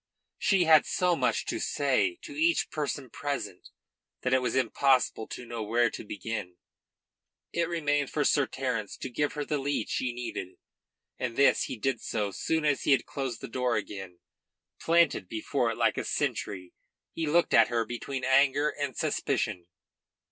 She had so much to say to each person present that it was impossible to know where to begin. It remained for Sir Terence to give her the lead she needed, and this he did so soon as he had closed the door again. Planted before it like a sentry, he looked at her between anger and suspicion.